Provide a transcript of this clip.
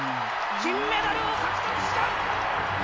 金メダルを獲得した！